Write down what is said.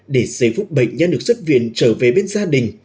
để giấy phút bệnh nhăn được xuất viện trở về bên gia đình